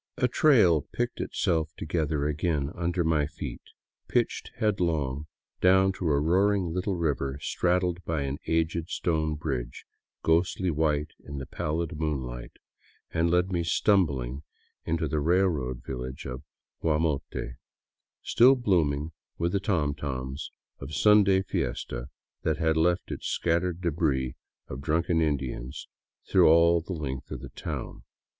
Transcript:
A trail picked itself together again under my feet, pitched headlong down to a roar ing little river straddled by an aged stone bridge, ghostly white in the pallid moonlight, and led me stumbling into the railroad village of Guamote, still booming with the tomtoms of the Sunday fiesta that had left its scattered debris of drunken Indians through all the length of the town.